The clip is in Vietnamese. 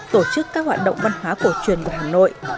tổ chức các hoạt động văn hóa cổ truyền của hà nội